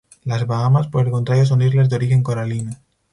Las Bahamas, por el contrario, son islas de origen coralino.